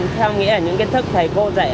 theo nghĩa là những kiến thức thầy cô dạy